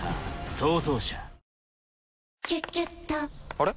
あれ？